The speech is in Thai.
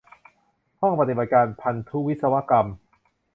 ห้องปฏิบัติการพันธุวิศกรรม